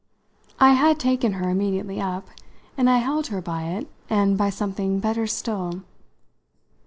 I had taken her immediately up, and I held her by it and by something better still.